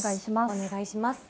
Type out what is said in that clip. お願いします。